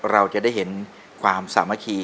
เราจะได้เห็นความสามัคคี